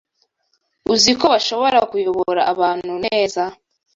uzi ko bashobora kuyobora abantu neza